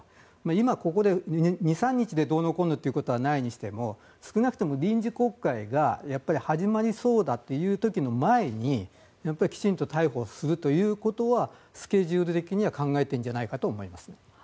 今、ここ２３日でどうのこうのはないにしても少なくとも臨時国会が始まりそうだという時の前にきちんと逮捕するということはスケジュール的には考えているんじゃないかと思いますね。